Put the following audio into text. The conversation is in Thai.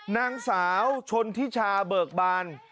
นางสาวชนทิชาเบิกบาน